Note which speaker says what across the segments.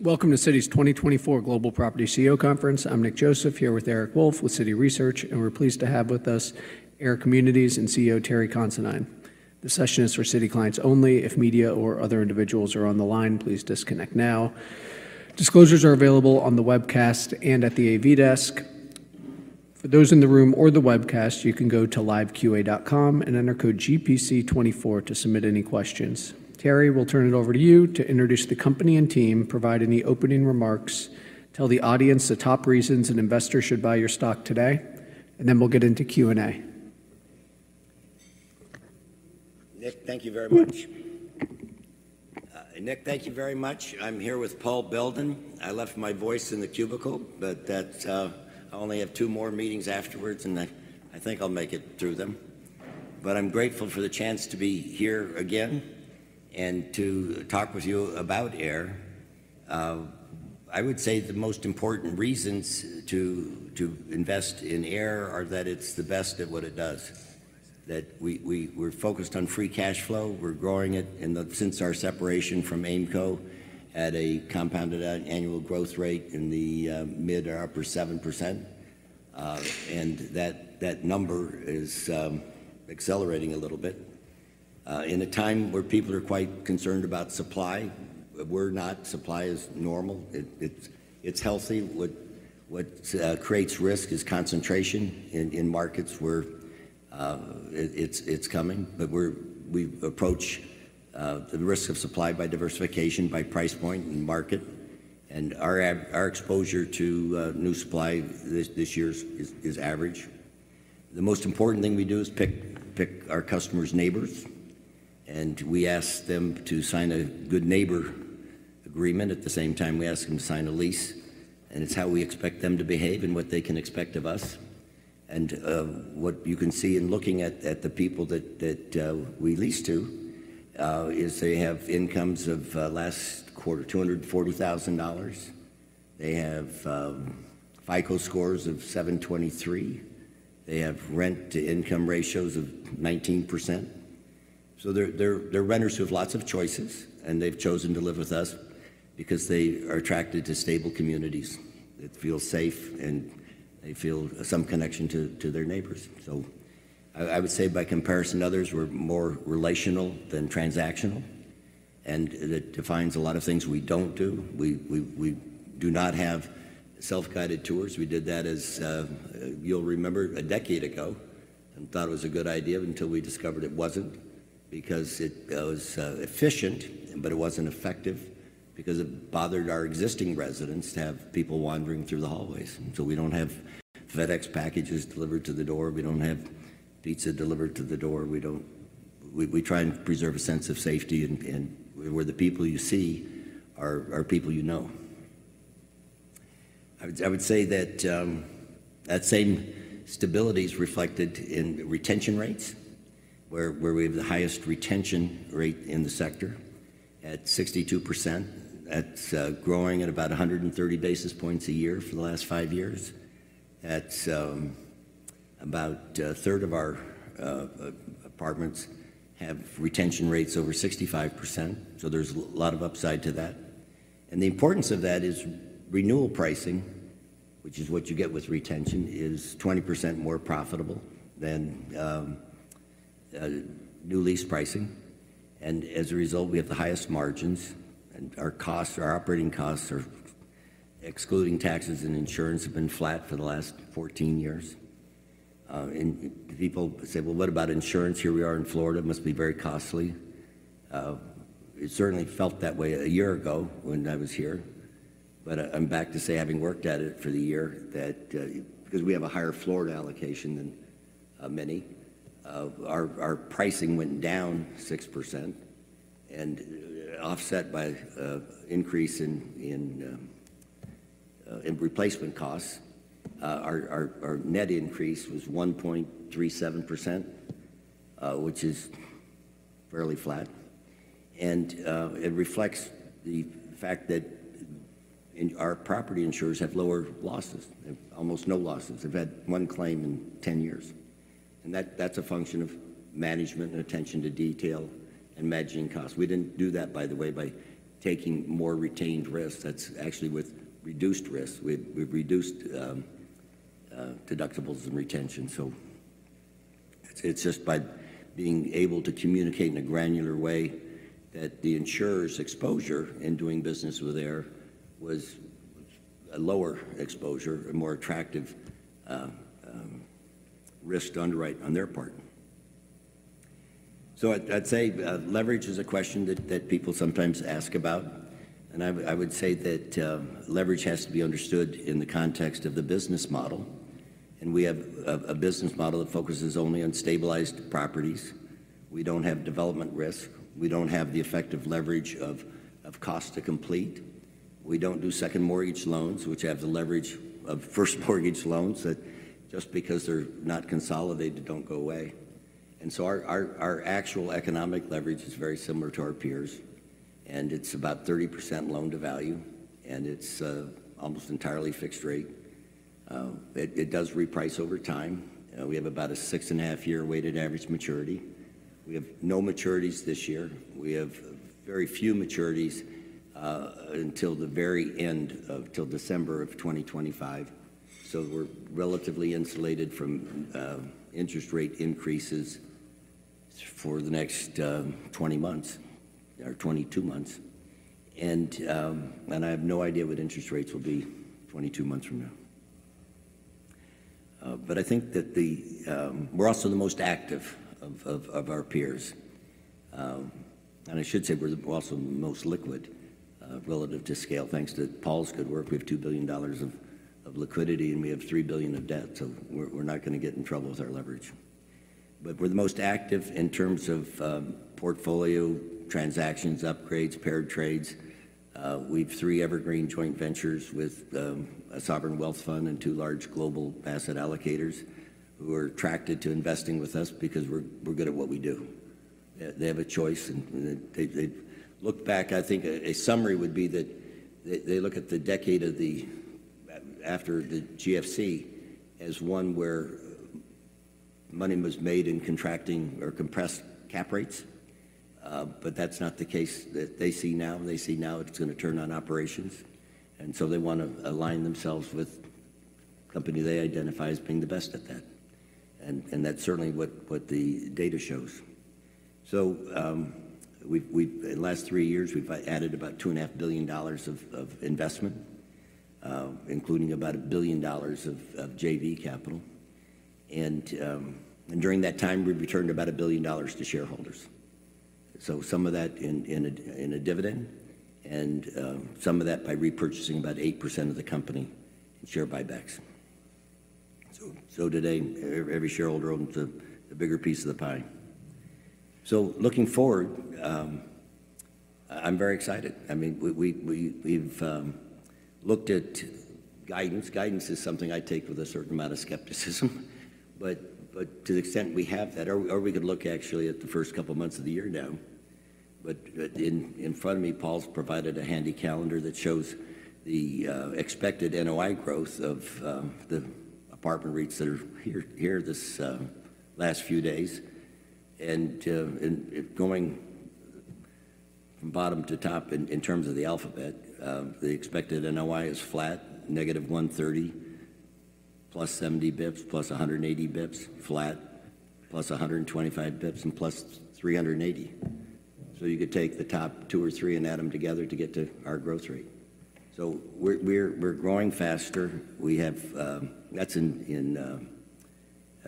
Speaker 1: Welcome to Citi's 2024 Global Property CEO Conference. I'm Nick Joseph here with Eric Wolfe with Citi Research, and we're pleased to have with us AIR Communities and CEO Terry Considine. This session is for Citi clients only. If media or other individuals are on the line, please disconnect now. Disclosures are available on the webcast and at the AV desk. For those in the room or the webcast, you can go to Live Q&A and enter code GPC24 to submit any questions. Terry, we'll turn it over to you to introduce the company and team, provide any opening remarks, tell the audience the top reasons an investor should buy your stock today, and then we'll get into Q&A.
Speaker 2: Nick, thank you very much. Nick, thank you very much. I'm here with Paul Beldin. I left my voice in the cubicle, but that I only have two more meetings afterwards, and I think I'll make it through them. But I'm grateful for the chance to be here again and to talk with you about AIR. I would say the most important reasons to invest in AIR are that it's the best at what it does, that we're focused on free cash flow. We're growing it since our separation from AIMCO at a compounded annual growth rate in the mid or upper 7%. And that number is accelerating a little bit. In a time where people are quite concerned about supply, we're not. Supply is normal. It's healthy. What creates risk is concentration in markets where it's coming. We approach the risk of supply by diversification, by price point and market. Our exposure to new supply this year is average. The most important thing we do is pick our customers' neighbors, and we ask them to sign a good neighbor agreement. At the same time, we ask them to sign a lease. It's how we expect them to behave and what they can expect of us. What you can see in looking at the people that we lease to is they have incomes of last quarter $240,000. They have FICO scores of 723. They have rent-to-income ratios of 19%. So they're renters who have lots of choices, and they've chosen to live with us because they are attracted to stable communities. It feels safe, and they feel some connection to their neighbors. So I would say, by comparison to others, we're more relational than transactional. And it defines a lot of things we don't do. We do not have self-guided tours. We did that, as you'll remember, a decade ago and thought it was a good idea until we discovered it wasn't because it was efficient, but it wasn't effective because it bothered our existing residents to have people wandering through the hallways. So we don't have FedEx packages delivered to the door. We don't have pizza delivered to the door. We try and preserve a sense of safety, where the people you see are people you know. I would say that that same stability is reflected in retention rates, where we have the highest retention rate in the sector at 62%. That's growing at about 130 basis points a year for the last five years. About a third of our apartments have retention rates over 65%. So there's a lot of upside to that. And the importance of that is renewal pricing, which is what you get with retention, is 20% more profitable than new lease pricing. And as a result, we have the highest margins. And our costs, our operating costs, excluding taxes and insurance, have been flat for the last 14 years. And people say, "Well, what about insurance? Here we are in Florida. It must be very costly." It certainly felt that way a year ago when I was here. But I'm back to say, having worked at it for the year, because we have a higher Florida allocation than many, our pricing went down 6%. And offset by increase in replacement costs, our net increase was 1.37%, which is fairly flat. It reflects the fact that our property insurers have lower losses, almost no losses. They've had one claim in 10 years. That's a function of management and attention to detail and managing costs. We didn't do that, by the way, by taking more retained risks. That's actually with reduced risks. We've reduced deductibles and retention. So it's just by being able to communicate in a granular way that the insurer's exposure in doing business with AIR was a lower exposure, a more attractive risk to underwrite on their part. So I'd say leverage is a question that people sometimes ask about. I would say that leverage has to be understood in the context of the business model. We have a business model that focuses only on stabilized properties. We don't have development risk. We don't have the effective leverage of cost to complete. We don't do second mortgage loans, which have the leverage of first mortgage loans that, just because they're not consolidated, don't go away. So our actual economic leverage is very similar to our peers. And it's about 30% loan to value. And it's almost entirely fixed rate. It does reprice over time. We have about a 6.5 year weighted average maturity. We have no maturities this year. We have very few maturities until the very end, until December 2025. So we're relatively insulated from interest rate increases for the next 20 months or 22 months. And I have no idea what interest rates will be 22 months from now. But I think that we're also the most active of our peers. I should say we're also the most liquid relative to scale, thanks to Paul's good work. We have $2 billion of liquidity, and we have $3 billion of debt. So we're not going to get in trouble with our leverage. But we're the most active in terms of portfolio transactions, upgrades, paired trades. We have three evergreen joint ventures with a sovereign wealth fund and two large global asset allocators who are attracted to investing with us because we're good at what we do. They have a choice. And they've looked back. I think a summary would be that they look at the decade after the GFC as one where money was made in contracting or compressed cap rates. But that's not the case that they see now. They see now it's going to turn on operations. And so they want to align themselves with a company they identify as being the best at that. And that's certainly what the data shows. So in the last three years, we've added about $2.5 billion of investment, including about $1 billion of JV capital. And during that time, we've returned about $1 billion to shareholders. So some of that in a dividend and some of that by repurchasing about 8% of the company in share buybacks. So today, every shareholder owns a bigger piece of the pie. So looking forward, I'm very excited. I mean, we've looked at guidance. Guidance is something I take with a certain amount of skepticism. But to the extent we have that, or we could look actually at the first couple of months of the year now. But in front of me, Paul's provided a handy calendar that shows the expected NOI growth of the apartment REITs that are here this last few days. Going from bottom to top in terms of the alphabet, the expected NOI is flat, -130, +70 bps, +180 bps, flat, +125 bps, and +380. So you could take the top two or three and add them together to get to our growth rate. So we're growing faster. That's in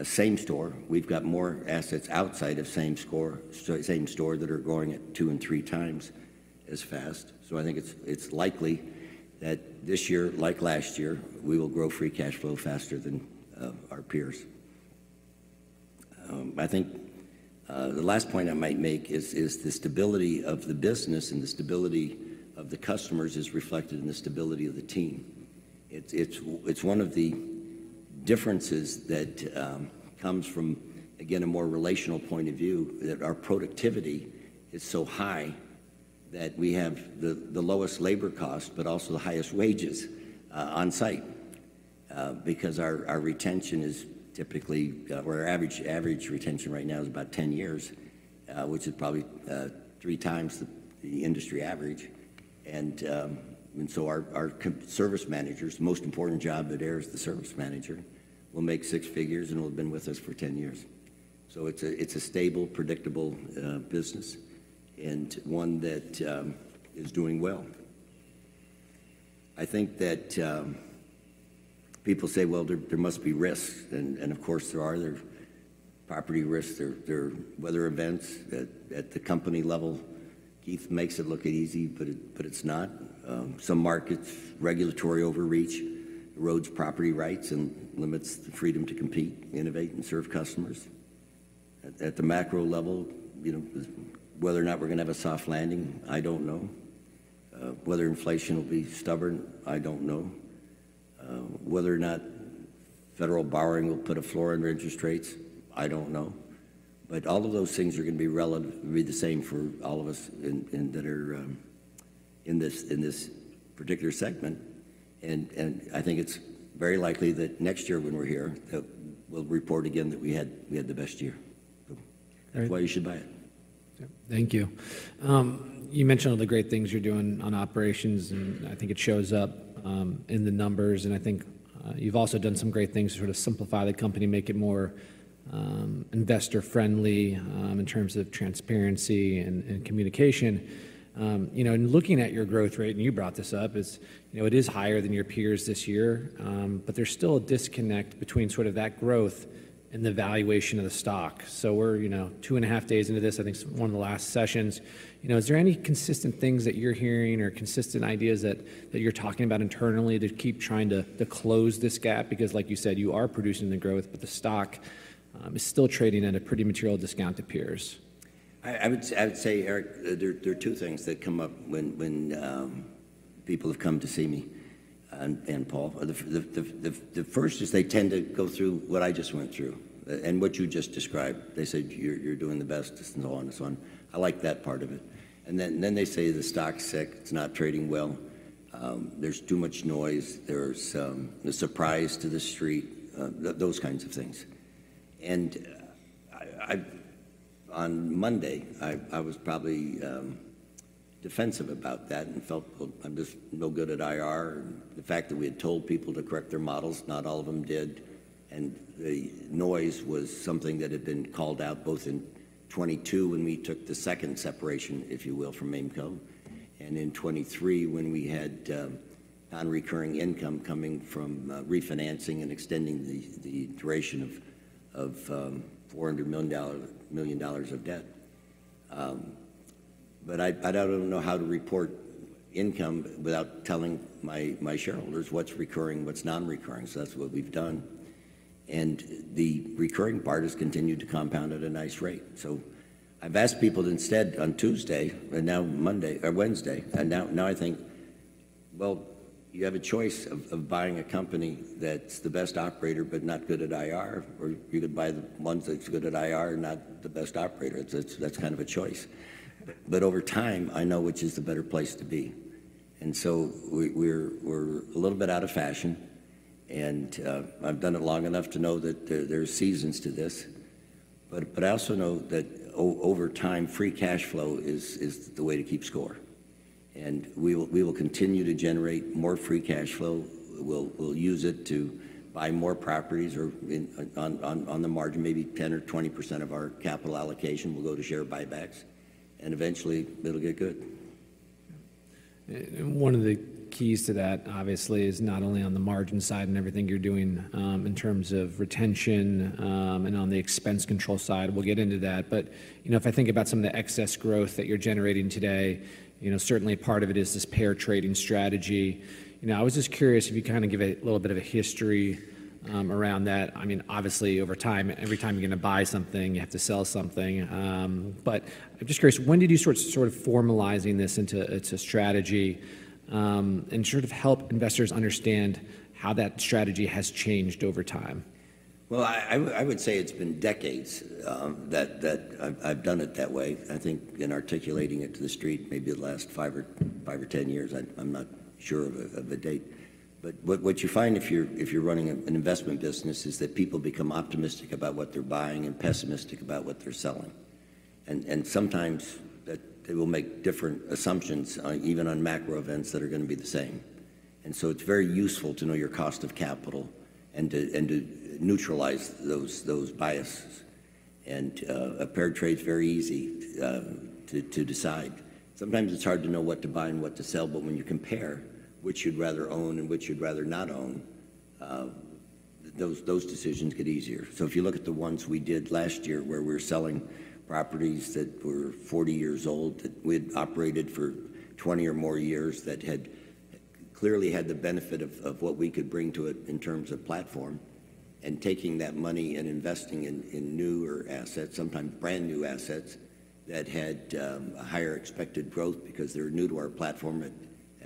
Speaker 2: same-store. We've got more assets outside of same-store that are growing at two and three times as fast. So I think it's likely that this year, like last year, we will grow free cash flow faster than our peers. I think the last point I might make is the stability of the business and the stability of the customers is reflected in the stability of the team. It's one of the differences that comes from, again, a more relational point of view, that our productivity is so high that we have the lowest labor costs but also the highest wages on site because our retention is typically where our average retention right now is about 10 years, which is probably three times the industry average. And so our service managers, the most important job at AIR is the service manager. We'll make six figures, and it'll have been with us for 10 years. So it's a stable, predictable business and one that is doing well. I think that people say, "Well, there must be risks." And of course, there are. There are property risks. There are weather events at the company level. Keith makes it look so easy, but it's not. Some markets' regulatory overreach erodes property rights and limits the freedom to compete, innovate, and serve customers. At the macro level, whether or not we're going to have a soft landing, I don't know. Whether inflation will be stubborn, I don't know. Whether or not federal borrowing will put a floor on interest rates, I don't know. But all of those things are going to be the same for all of us that are in this particular segment. And I think it's very likely that next year when we're here, we'll report again that we had the best year. That's why you should buy it.
Speaker 3: Thank you. You mentioned all the great things you're doing on operations, and I think it shows up in the numbers. I think you've also done some great things to sort of simplify the company, make it more investor-friendly in terms of transparency and communication. Looking at your growth rate, and you brought this up, it is higher than your peers this year, but there's still a disconnect between sort of that growth and the valuation of the stock. We're 2.5 days into this, I think one of the last sessions. Is there any consistent things that you're hearing or consistent ideas that you're talking about internally to keep trying to close this gap? Because, like you said, you are producing the growth, but the stock is still trading at a pretty material discount to peers.
Speaker 2: I would say, Eric, there are two things that come up when people have come to see me and Paul. The first is they tend to go through what I just went through and what you just described. They said, "You're doing the best," and so on and so on. I like that part of it. And then they say the stock's sick. It's not trading well. There's too much noise. There's a surprise to the street, those kinds of things. And on Monday, I was probably defensive about that and felt, "Well, I'm just no good at IR." And the fact that we had told people to correct their models, not all of them did. The noise was something that had been called out both in 2022 when we took the second separation, if you will, from AIMCO and in 2023 when we had non-recurring income coming from refinancing and extending the duration of $400 million of debt. But I don't know how to report income without telling my shareholders what's recurring, what's non-recurring. That's what we've done. The recurring part has continued to compound at a nice rate. I've asked people instead on Tuesday and now Monday or Wednesday, and now I think, "Well, you have a choice of buying a company that's the best operator but not good at IR, or you could buy the ones that's good at IR, not the best operator. That's kind of a choice." But over time, I know which is the better place to be. So we're a little bit out of fashion. I've done it long enough to know that there are seasons to this. But I also know that over time, free cash flow is the way to keep score. We will continue to generate more free cash flow. We'll use it to buy more properties or on the margin, maybe 10% or 20% of our capital allocation will go to share buybacks. Eventually, it'll get good.
Speaker 3: One of the keys to that, obviously, is not only on the margin side and everything you're doing in terms of retention and on the expense control side. We'll get into that. But if I think about some of the excess growth that you're generating today, certainly part of it is this paired trading strategy. I was just curious if you kind of give a little bit of a history around that. I mean, obviously, over time, every time you're going to buy something, you have to sell something. But I'm just curious, when did you sort of formalize this into a strategy and sort of help investors understand how that strategy has changed over time?
Speaker 2: Well, I would say it's been decades that I've done it that way. I think in articulating it to the street, maybe the last five or 10 years, I'm not sure of a date. But what you find if you're running an investment business is that people become optimistic about what they're buying and pessimistic about what they're selling. And sometimes they will make different assumptions even on macro events that are going to be the same. And so it's very useful to know your cost of capital and to neutralize those biases. And a paired trade's very easy to decide. Sometimes it's hard to know what to buy and what to sell. But when you compare which you'd rather own and which you'd rather not own, those decisions get easier. So if you look at the ones we did last year where we were selling properties that were 40 years old, that we had operated for 20 or more years, that had clearly had the benefit of what we could bring to it in terms of platform, and taking that money and investing in newer assets, sometimes brand new assets that had a higher expected growth because they were new to our platform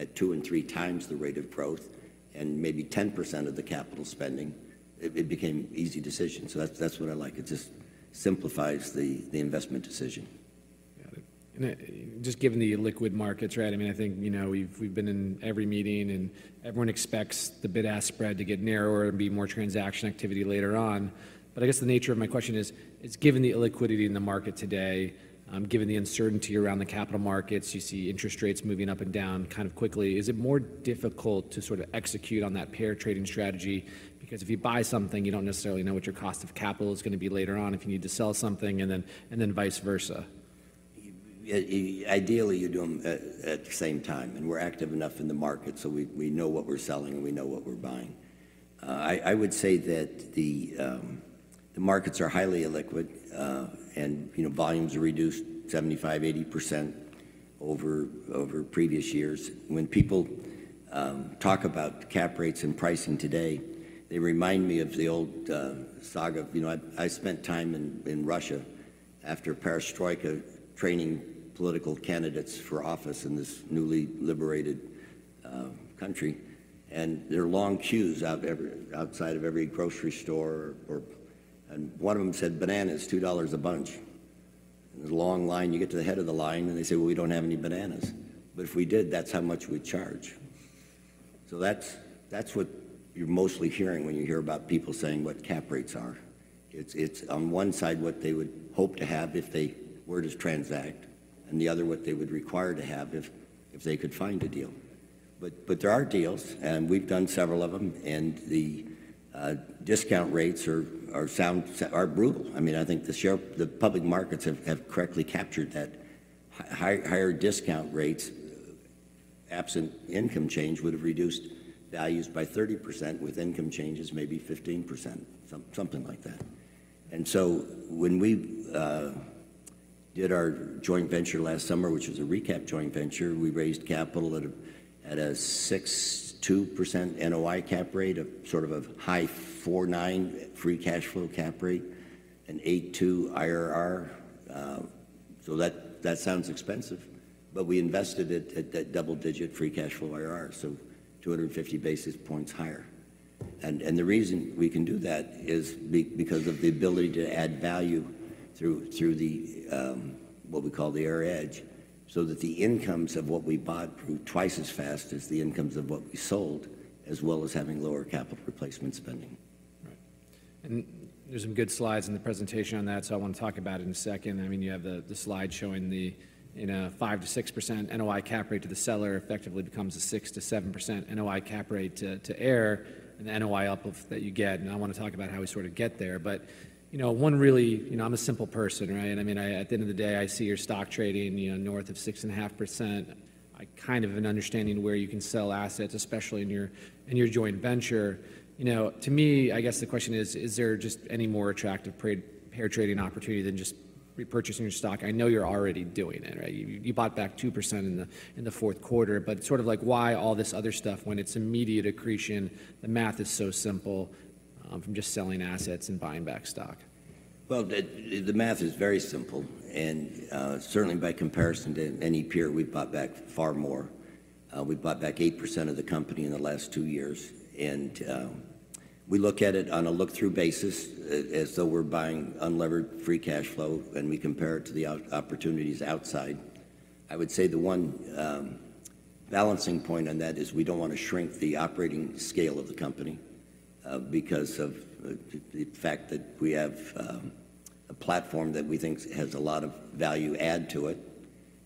Speaker 2: at two and three times the rate of growth and maybe 10% of the capital spending, it became easy decisions. So that's what I like. It just simplifies the investment decision.
Speaker 3: Got it. And just given the illiquid markets, right? I mean, I think we've been in every meeting, and everyone expects the bid-ask spread to get narrower and be more transaction activity later on. But I guess the nature of my question is, given the illiquidity in the market today, given the uncertainty around the capital markets, you see interest rates moving up and down kind of quickly, is it more difficult to sort of execute on that paired trading strategy? Because if you buy something, you don't necessarily know what your cost of capital is going to be later on if you need to sell something, and then vice versa?
Speaker 2: Ideally, you do them at the same time. We're active enough in the market so we know what we're selling and we know what we're buying. I would say that the markets are highly illiquid, and volumes are reduced 75% to 80% over previous years. When people talk about cap rates and pricing today, they remind me of the old saga of I spent time in Russia after Perestroika training political candidates for office in this newly liberated country. And there are long queues outside of every grocery store. And one of them said, "Bananas, $2 a bunch." And there's a long line. You get to the head of the line, and they say, "Well, we don't have any bananas." But if we did, that's how much we'd charge. So that's what you're mostly hearing when you hear about people saying what cap rates are. It's on one side what they would hope to have if they were to transact, and the other what they would require to have if they could find a deal. But there are deals, and we've done several of them. And the discount rates are brutal. I mean, I think the public markets have correctly captured that higher discount rates, absent income change, would have reduced values by 30% with income changes, maybe 15%, something like that. And so when we did our joint venture last summer, which was a recap joint venture, we raised capital at a 6.2% NOI cap rate, sort of a high 4.9 free cash flow cap rate, an 8.2 IRR. So that sounds expensive. But we invested at that double-digit free cash flow IRR, so 250 basis points higher. And the reason we can do that is because of the ability to add value through what we call the AIR Edge so that the incomes of what we bought prove twice as fast as the incomes of what we sold, as well as having lower capital replacement spending.
Speaker 3: Right. And there's some good slides in the presentation on that, so I want to talk about it in a second. I mean, you have the slide showing the in a 5% to 6% NOI cap rate to the seller effectively becomes a 6% to 7% NOI cap rate to AIR and the NOI up that you get. And I want to talk about how we sort of get there. But one really I'm a simple person, right? I mean, at the end of the day, I see your stock trading north of 6.5%. I kind of have an understanding of where you can sell assets, especially in your joint venture. To me, I guess the question is, is there just any more attractive paired trading opportunity than just repurchasing your stock? I know you're already doing it, right? You bought back 2% in the fourth quarter. But sort of like why all this other stuff when it's immediate accretion, the math is so simple from just selling assets and buying back stock?
Speaker 2: Well, the math is very simple. And certainly, by comparison to any peer, we've bought back far more. We've bought back 8% of the company in the last two years. And we look at it on a look-through basis as though we're buying unlevered free cash flow, and we compare it to the opportunities outside. I would say the one balancing point on that is we don't want to shrink the operating scale of the company because of the fact that we have a platform that we think has a lot of value add to it.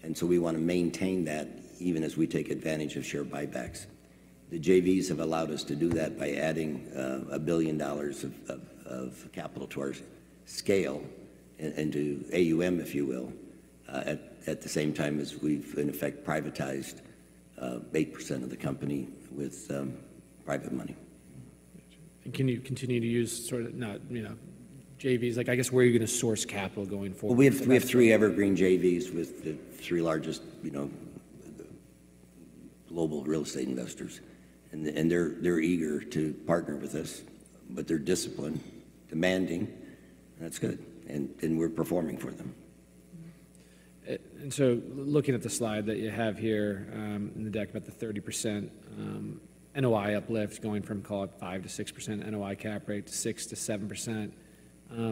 Speaker 2: And so we want to maintain that even as we take advantage of share buybacks. The JVs have allowed us to do that by adding $1 billion of capital to our scale and to AUM, if you will, at the same time as we've, in effect, privatized 8% of the company with private money.
Speaker 3: Gotcha. Can you continue to use sort of not JVs? I guess where are you going to source capital going forward?
Speaker 2: Well, we have three evergreen JVs with the three largest global real estate investors. And they're eager to partner with us. But they're disciplined, demanding. And that's good. And we're performing for them.
Speaker 3: And so looking at the slide that you have here in the deck about the 30% NOI uplift going from, call it, 5% to 6% NOI cap rate to 6% to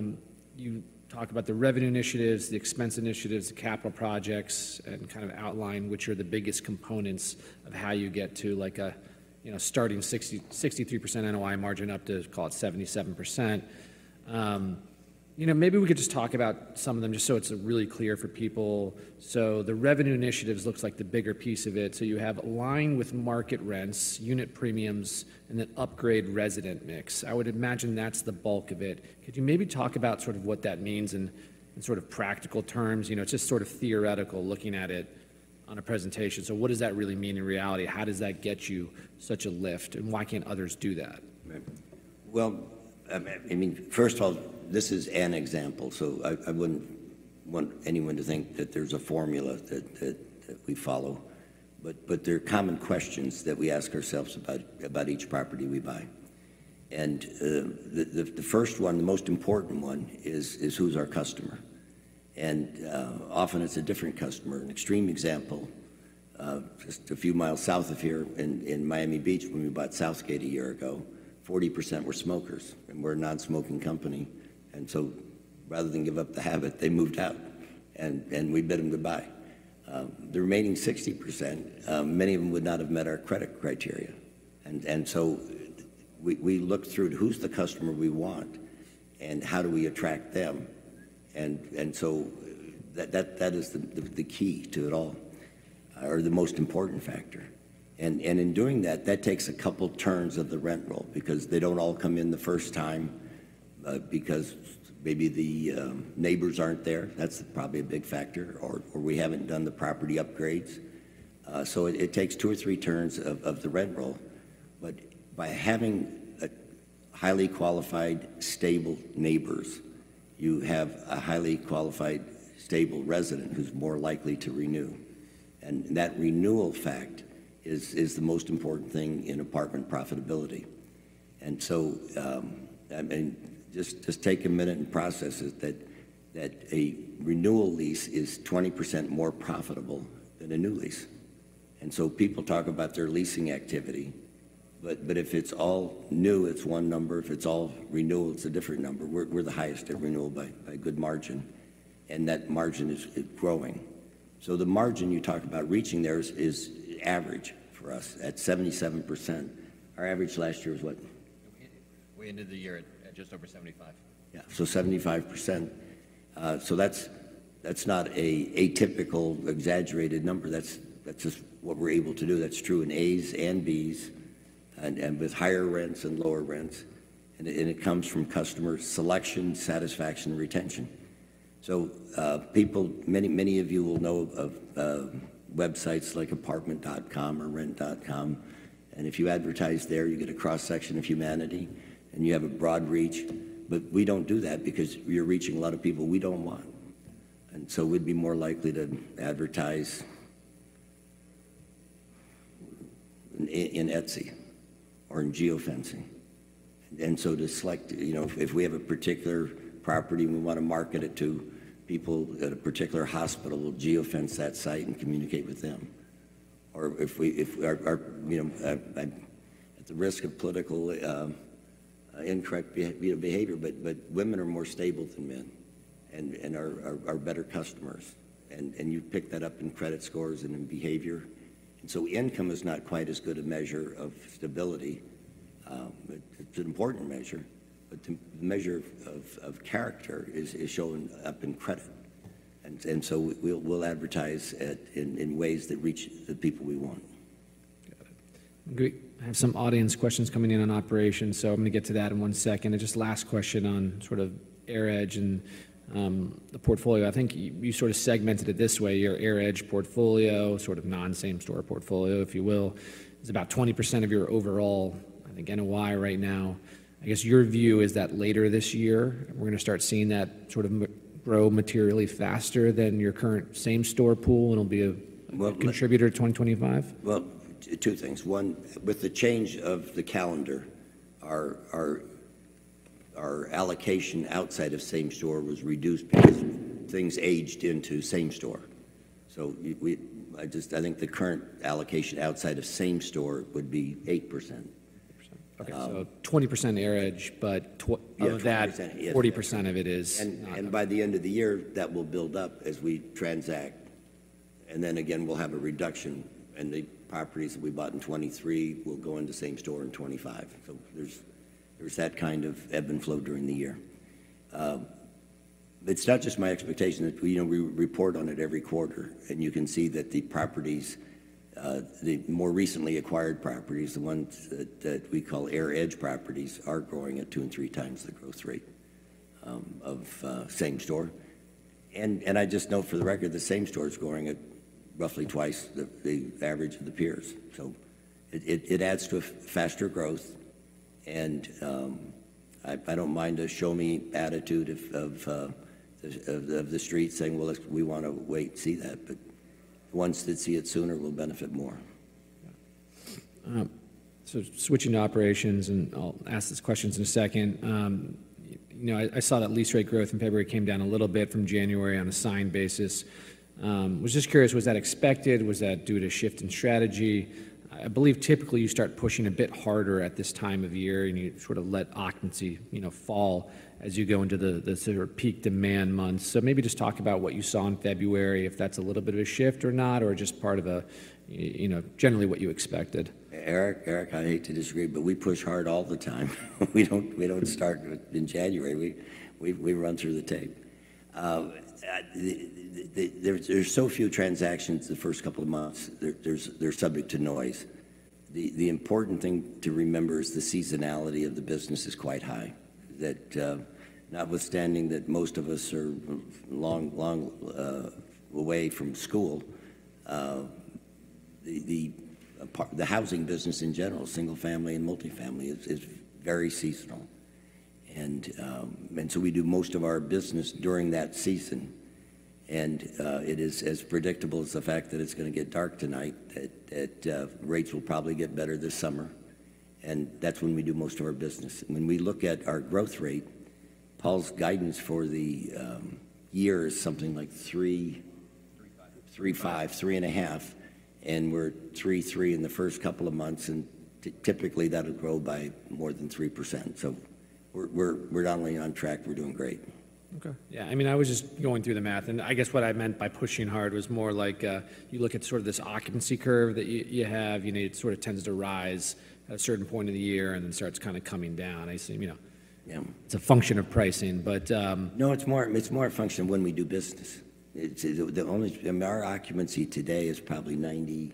Speaker 3: 7%, you talk about the revenue initiatives, the expense initiatives, the capital projects, and kind of outline which are the biggest components of how you get to a starting 63% NOI margin up to, call it, 77%. Maybe we could just talk about some of them just so it's really clear for people. So the revenue initiatives looks like the bigger piece of it. So you have align with market rents, unit premiums, and then upgrade resident mix. I would imagine that's the bulk of it. Could you maybe talk about sort of what that means in sort of practical terms? It's just sort of theoretical looking at it on a presentation.
Speaker 2: What does that really mean in reality? How does that get you such a lift? Why can't others do that? Well, I mean, first of all, this is an example. So I wouldn't want anyone to think that there's a formula that we follow. But there are common questions that we ask ourselves about each property we buy. And the first one, the most important one, is who's our customer? And often, it's a different customer. An extreme example, just a few miles south of here in Miami Beach, when we bought Southgate a year ago, 40% were smokers. And we're a nonsmoking company. And so rather than give up the habit, they moved out. And we bid them to buy. The remaining 60%, many of them would not have met our credit criteria. And so we look through who's the customer we want and how do we attract them? And so that is the key to it all or the most important factor. In doing that, that takes a couple turns of the rent roll because they don't all come in the first time because maybe the neighbors aren't there. That's probably a big factor. Or we haven't done the property upgrades. So it takes two or three turns of the rent roll. But by having highly qualified, stable neighbors, you have a highly qualified, stable resident who's more likely to renew. That renewal fact is the most important thing in apartment profitability. So, I mean, just take a minute and process it that a renewal lease is 20% more profitable than a new lease. People talk about their leasing activity. But if it's all new, it's one number. If it's all renewal, it's a different number. We're the highest at renewal by good margin. That margin is growing. So the margin you talk about reaching there is average for us at 77%. Our average last year was what?
Speaker 4: We ended the year at just over 75%.
Speaker 2: Yeah. So 75%. So that's not an atypical, exaggerated number. That's just what we're able to do. That's true in A's and B's and with higher rents and lower rents. And it comes from customer selection, satisfaction, and retention. So many of you will know of websites like Apartments.com or Rent.com. And if you advertise there, you get a cross-section of humanity. And you have a broad reach. But we don't do that because you're reaching a lot of people we don't want. And so we'd be more likely to advertise in Etsy or in geofencing. And so to select if we have a particular property and we want to market it to people at a particular hospital, we'll geofence that site and communicate with them. Or, if we, at the risk of politically incorrect behavior, but women are more stable than men and are better customers. And you pick that up in credit scores and in behavior. And so income is not quite as good a measure of stability. It's an important measure. But the measure of character is shown up in credit. And so we'll advertise in ways that reach the people we want.
Speaker 3: Got it. Great. I have some audience questions coming in on operations. I'm going to get to that in one second. Just last question on sort of AIR Edge and the portfolio. I think you sort of segmented it this way, your AIR Edge portfolio, sort of non-same-store portfolio, if you will, is about 20% of your overall, I think, NOI right now. I guess your view is that later this year, we're going to start seeing that sort of grow materially faster than your current same-store pool, and it'll be a contributor to 2025?
Speaker 2: Well, two things. One, with the change of the calendar, our allocation outside of same-store was reduced because things aged into same-store. So I think the current allocation outside of same-store would be 8%.
Speaker 3: 8%. Okay. So 20% AIR Edge, but of that, 40% of it is not.
Speaker 2: By the end of the year, that will build up as we transact. Then again, we'll have a reduction. The properties that we bought in 2023 will go into same-store in 2025. There's that kind of ebb and flow during the year. It's not just my expectation that we report on it every quarter. You can see that the properties, the more recently acquired properties, the ones that we call AIR Edge properties, are growing at two and three times the growth rate of same-store. I just note for the record, the same-store is growing at roughly twice the average of the peers. It adds to faster growth. I don't mind a show-me attitude of the street saying, "Well, we want to wait and see that." But the ones that see it sooner will benefit more.
Speaker 3: Yeah. So switching to operations, and I'll ask these questions in a second. I saw that lease rate growth in February came down a little bit from January on a signed basis. I was just curious, was that expected? Was that due to a shift in strategy? I believe typically, you start pushing a bit harder at this time of year, and you sort of let occupancy fall as you go into the sort of peak demand months. So maybe just talk about what you saw in February, if that's a little bit of a shift or not, or just part of generally what you expected.
Speaker 2: Eric, Eric, I hate to disagree, but we push hard all the time. We don't start in January. We run through the tape. There's so few transactions the first couple of months, they're subject to noise. The important thing to remember is the seasonality of the business is quite high, notwithstanding that most of us are long away from school. The housing business in general, single-family and multifamily, is very seasonal. And so we do most of our business during that season. And it is as predictable as the fact that it's going to get dark tonight that rates will probably get better this summer. And that's when we do most of our business. When we look at our growth rate, Paul's guidance for the year is something like three.
Speaker 4: 3.5.
Speaker 2: 3.5, 3.5. We're 3.3 in the first couple of months. Typically, that'll grow by more than 3%. So we're not only on track, we're doing great.
Speaker 3: Okay. Yeah. I mean, I was just going through the math. I guess what I meant by pushing hard was more like you look at sort of this occupancy curve that you have. It sort of tends to rise at a certain point in the year and then starts kind of coming down. I assume it's a function of pricing. But.
Speaker 2: No, it's more a function of when we do business. Our occupancy today is probably 97%.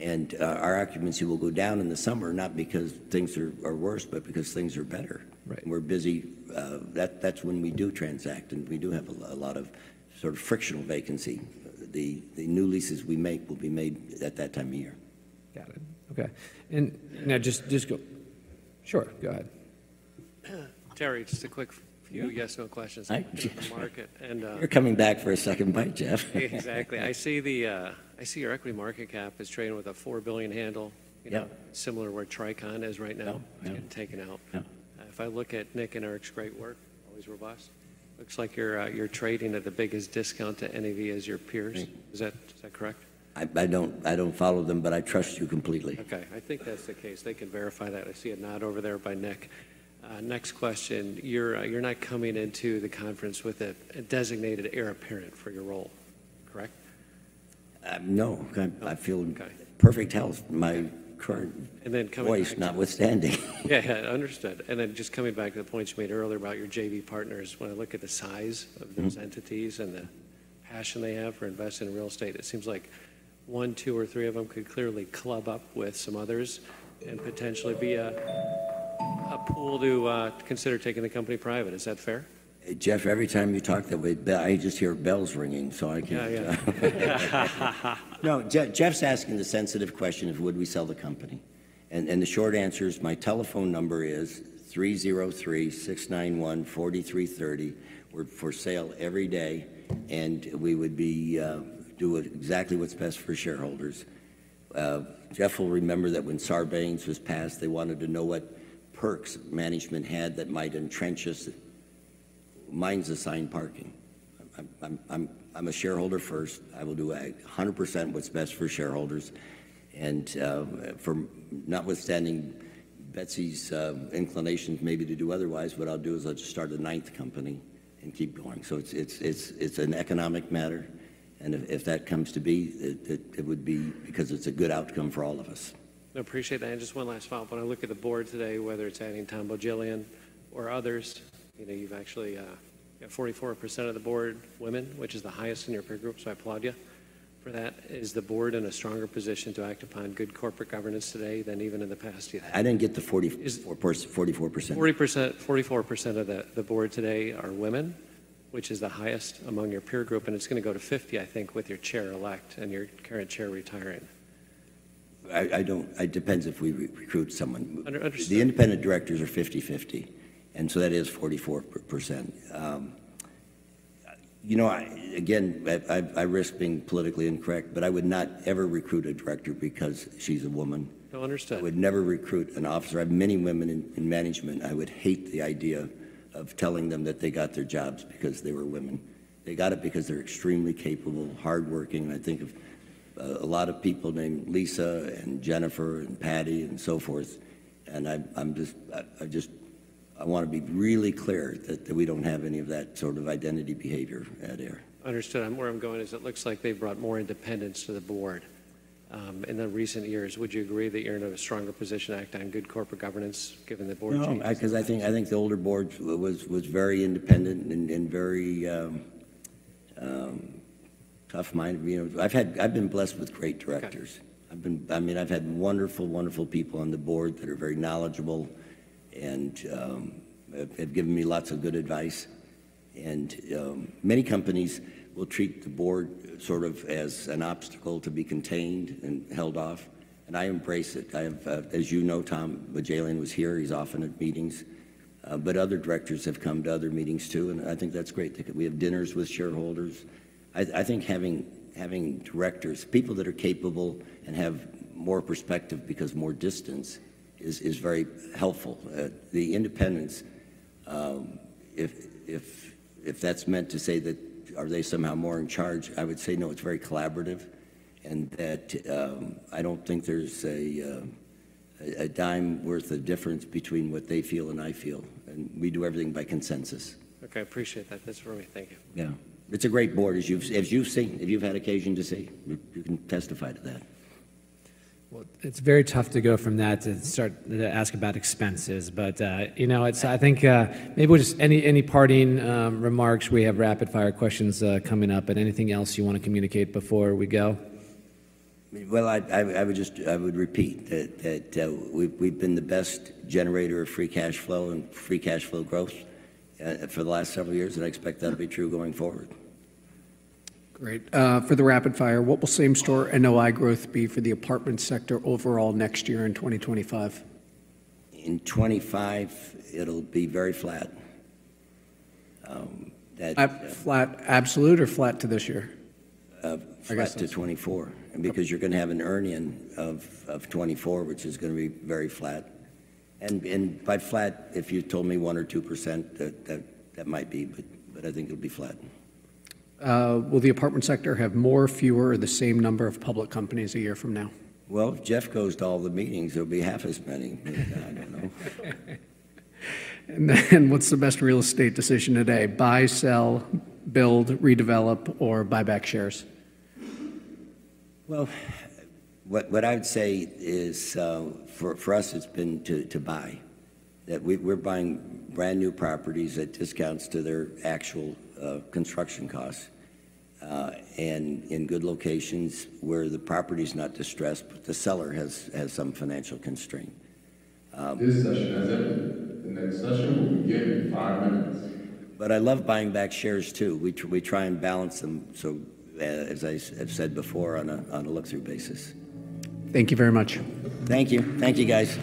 Speaker 2: Our occupancy will go down in the summer, not because things are worse, but because things are better. We're busy. That's when we do transact. We do have a lot of sort of frictional vacancy. The new leases we make will be made at that time of year.
Speaker 3: Got it. Okay. And now just to be sure. Go ahead.
Speaker 5: Terry, just a quick few yes/no questions.
Speaker 2: You're coming back for a second bite, Jeff.
Speaker 5: Exactly. I see your equity market cap is trading with a $4 billion handle, similar to where Tricon is right now. It's getting taken out. If I look at Nick and Eric's great work, always robust, looks like you're trading at the biggest discount to any of these as your peers. Is that correct?
Speaker 2: I don't follow them, but I trust you completely.
Speaker 5: Okay. I think that's the case. They can verify that. I see a nod over there by Nick. Next question. You're not coming into the conference with a designated heir apparent for your role, correct?
Speaker 2: No. I feel in perfect health. My current voice is notwithstanding.
Speaker 5: Yeah. Yeah. Understood. And then just coming back to the points you made earlier about your JV partners, when I look at the size of those entities and the passion they have for investing in real estate, it seems like one, two, or three of them could clearly club up with some others and potentially be a pool to consider taking the company private. Is that fair?
Speaker 2: Jeff, every time you talk that way, I just hear bells ringing. So I can't.
Speaker 5: Yeah. Yeah.
Speaker 2: No, Jeff's asking the sensitive question of would we sell the company. The short answer is my telephone number is 303-691-4330. We're for sale every day. We would do exactly what's best for shareholders. Jeff will remember that when Sarbanes was passed, they wanted to know what perks management had that might entrench us. Mine's assigned parking. I'm a shareholder first. I will do 100% what's best for shareholders. Notwithstanding Betsy's inclinations maybe to do otherwise, what I'll do is I'll just start a ninth company and keep going. It's an economic matter. If that comes to be, it would be because it's a good outcome for all of us.
Speaker 5: I appreciate that. Just one last follow-up. When I look at the board today, whether it's adding Tom Bohjalian or others, you've actually got 44% of the board women, which is the highest in your peer group. So I applaud you for that. Is the board in a stronger position to act upon good corporate governance today than even in the past year?
Speaker 2: I didn't get the 44%.
Speaker 5: 44% of the board today are women, which is the highest among your peer group. It's going to go to 50%, I think, with your Chair-elect and your current chair retiring.
Speaker 2: It depends if we recruit someone. The independent directors are 50/50. And so that is 44%. Again, I risk being politically incorrect, but I would not ever recruit a director because she's a woman.
Speaker 5: No, understood.
Speaker 2: I would never recruit an officer. I have many women in management. I would hate the idea of telling them that they got their jobs because they were women. They got it because they're extremely capable, hardworking. And I think of a lot of people named Lisa and Jennifer and Patti and so forth. And I want to be really clear that we don't have any of that sort of identity behavior at AIR.
Speaker 5: Understood. Where I'm going is it looks like they've brought more independence to the board in the recent years. Would you agree that you're in a stronger position to act on good corporate governance given the board changes?
Speaker 2: No, because I think the older board was very independent and very tough-minded. I've been blessed with great directors. I mean, I've had wonderful, wonderful people on the board that are very knowledgeable and have given me lots of good advice. And many companies will treat the board sort of as an obstacle to be contained and held off. And I embrace it. As you know, Tom Bohjalian was here. He's often at meetings. But other directors have come to other meetings too. And I think that's great. We have dinners with shareholders. I think having directors, people that are capable and have more perspective because more distance is very helpful. The independence, if that's meant to say that are they somehow more in charge, I would say, no, it's very collaborative. And I don't think there's a dime worth of difference between what they feel and I feel. We do everything by consensus.
Speaker 5: Okay. I appreciate that. That's what we think of.
Speaker 2: Yeah. It's a great board, as you've seen, if you've had occasion to see. You can testify to that.
Speaker 3: Well, it's very tough to go from that to start to ask about expenses. But I think maybe we'll just any parting remarks. We have rapid-fire questions coming up. But anything else you want to communicate before we go?
Speaker 2: Well, I would repeat that we've been the best generator of free cash flow and free cash flow growth for the last several years. I expect that to be true going forward.
Speaker 3: Great. For the rapid-fire, what will same-store NOI growth be for the apartment sector overall next year in 2025?
Speaker 2: In 2025, it'll be very flat.
Speaker 3: Flat absolute or flat to this year?
Speaker 2: Flat to 2024 because you're going to have an earnings of 2024, which is going to be very flat. By flat, if you told me one or 2%, that might be. But I think it'll be flat.
Speaker 3: Will the apartment sector have more, fewer, or the same number of public companies a year from now?
Speaker 2: Well, if Jeff goes to all the meetings, it'll be half as many. I don't know.
Speaker 3: What's the best real estate decision today, buy, sell, build, redevelop, or buy back shares?
Speaker 2: Well, what I would say is for us, it's been to buy. We're buying brand new properties at discounts to their actual construction costs and in good locations where the property's not distressed, but the seller has some financial constraint.
Speaker 6: This session, as ever. The next session will begin in five minutes.
Speaker 2: I love buying back shares too. We try and balance them, as I have said before, on a look-through basis.
Speaker 3: Thank you very much.
Speaker 2: Thank you. Thank you, guys.